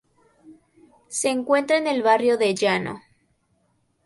Se encuentra en el barrio de Llano.